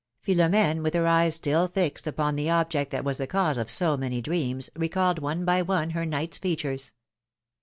Philom^ne, wuth her eyes still fixed upon the object that was the cause of so many dreams, recalled one by one her knight's features.